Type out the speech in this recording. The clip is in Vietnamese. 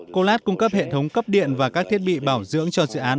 colat cung cấp hệ thống cấp điện và các thiết bị bảo dưỡng cho dự án